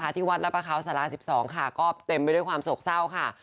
ที่วัดรับประเขาสารา๑๒ค่ะก็เต็มไปด้วยความโศกเศร้าค่ะ